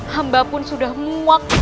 hamba pun sudah muak